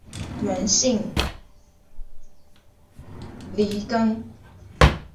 原姓粟根。